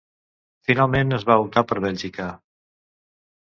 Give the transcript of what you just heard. Finalment, es va optar per Bèlgica.